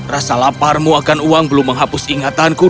rasa laparmu akan uang belum menghapus ingatanku